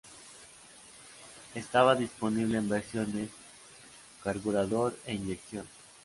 Estaba disponible en versiones Carburador e inyección.